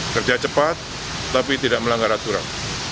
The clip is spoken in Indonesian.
kerja cepat tapi tidak melanggar aturan